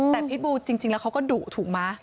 แต่พิษบูจริงแล้วเขาก็ดุถูกไหม